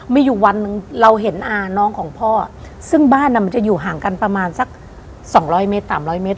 ไม่อยู่วันนึงเราเห็นอาน้องของพ่อซึ่งบ้านนั้นมันจะอยู่ห่างกันประมาณสัก๒๐๐เมตร๓๐๐เมตร